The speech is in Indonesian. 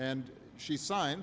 dan dia menandatangani